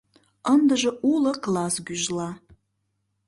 Ындыже уло класс гӱжла.